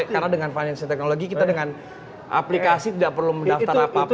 karena dengan financial technology kita dengan aplikasi tidak perlu mendaftar apapun